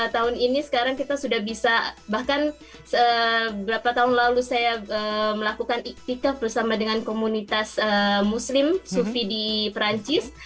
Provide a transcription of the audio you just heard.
tahun ini sekarang kita sudah bisa bahkan beberapa tahun lalu saya melakukan ikhtikaf bersama dengan komunitas muslim sufi di perancis